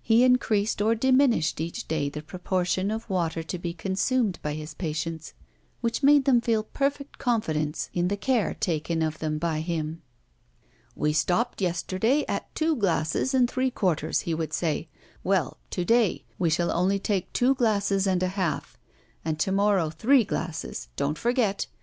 He increased or diminished each day the proportion of water to be consumed by his patients, which made them feel perfect confidence in the care taken of them by him. "We stopped yesterday at two glasses and three quarters," he would say; "well, to day we shall only take two glasses and a half, and to morrow three glasses. Don't forget!